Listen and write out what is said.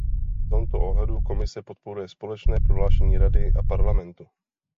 V tomto ohledu Komise podporuje společné prohlášení Rady a Parlamentu.